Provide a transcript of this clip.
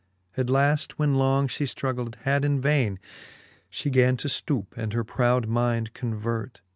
At laft when long fhe ftruggled had in vaine, She gan to ftoupe, and her proud mind convert